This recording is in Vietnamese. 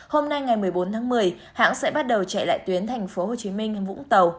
hôm nay ngày một mươi bốn tháng một mươi hãng sẽ bắt đầu chạy lại tuyến tp hcm hay vũng tàu